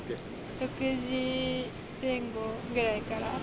６時前後ぐらいから。